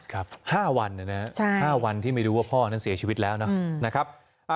ครับ๕วันนะครับ๕วันที่ไม่รู้ว่าพ่อนั้นเสียชีวิตแล้วนะครับ